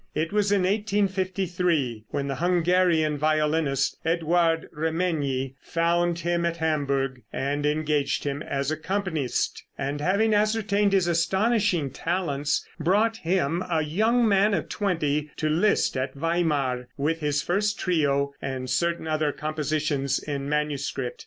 It was in 1853, when the Hungarian violinist, Edouard Remenyi, found him at Hamburgh and engaged him as accompanist and having ascertained his astonishing talents, brought him, a young man of twenty, to Liszt at Weimar, with his first trio and certain other compositions in manuscript.